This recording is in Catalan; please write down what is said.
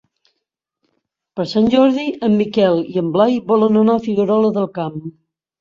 Per Sant Jordi en Miquel i en Blai volen anar a Figuerola del Camp.